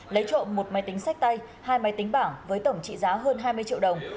lấy trộm một máy tính sách tay hai máy tính bảng với tổng trị giá hơn hai mươi triệu đồng